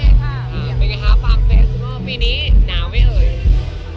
โอเคค่ะไปกันหาปาร์มเฟสว่าปีนี้หนาวไหมเอ่ย